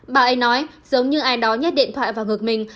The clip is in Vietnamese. bà ấy nói giống như ai đó nhét điện thoại và ngược mình